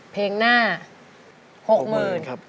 เพลงหน้า๖๐๐๐บาท